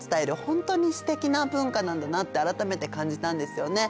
本当にすてきな文化なんだなって改めて感じたんですよね。